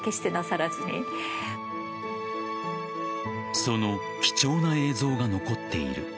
その貴重な映像が残っている。